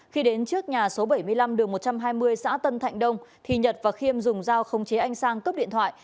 khi đến trước nhà số bảy mươi năm đường một trăm hai mươi xã tân thạnh đông thì nhật và khiêm dùng dao không chế anh sang cướp điện thoại